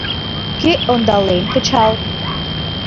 — Кӧ ондален, кычал...